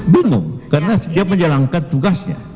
bingung karena dia menjalankan tugasnya